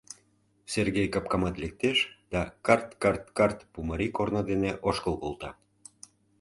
Сергей капкамат лектеш да карт-карт-карт Пумарий корно дене ошкыл колта.